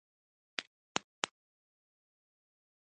ونه په دښته کې د امید نښه ده.